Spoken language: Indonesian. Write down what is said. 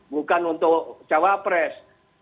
bukan untuk cawapres